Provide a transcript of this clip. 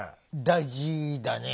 大事だね。